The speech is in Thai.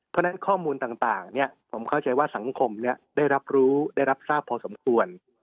เพราะฉะนั้นข้อมูลต่างผมเข้าใจว่าสังคมได้รับรู้ได้รับทราบพอสมควร